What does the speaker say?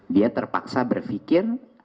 dia terpaksa berpikir